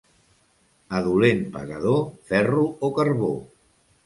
A dolent pagador, ferro o carbó.